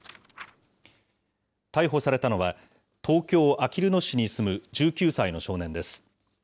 逮捕されたのは、東京・あきる野市に住む１９歳の少年です。